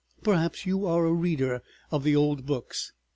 ... Perhaps you are a reader of the old books.